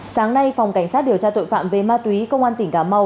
sáng nay phòng cảnh sát điều tra tội phạm về ma túy công an tỉnh cà mau